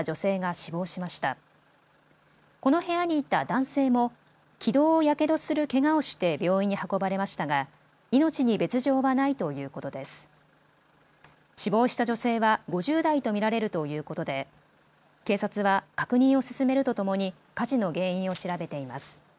死亡した女性は５０代と見られるということで警察は確認を進めるとともに火事の原因を調べています。